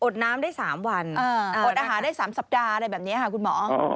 ดน้ำได้๓วันอดอาหารได้๓สัปดาห์อะไรแบบนี้ค่ะคุณหมอ